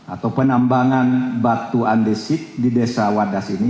atau penambangan batu andesit di desa wadas ini